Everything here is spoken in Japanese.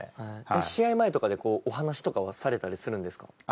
試合前とかでこうお話しとかはされたりするんですか？